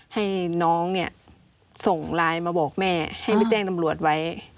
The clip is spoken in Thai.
ให้น้องเนี่ยส่งไลน์มาบอกแม่ให้ไม่แจ้งตำรวจไว้